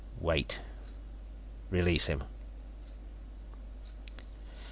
"Wait. Release him."